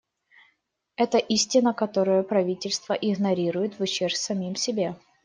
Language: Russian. Это истина, которую правительства игнорируют в ущерб самим себе.